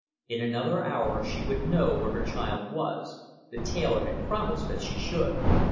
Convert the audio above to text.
In another hour she would know where her child was the tailor had promised that she should.